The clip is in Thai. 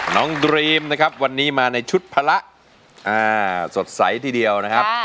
ดรีมนะครับวันนี้มาในชุดพระสดใสทีเดียวนะครับ